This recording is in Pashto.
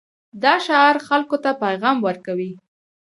دا شعار خلکو ته پیغام ورکوي.